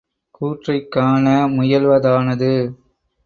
கூற்றைக் காண முயல்வதானது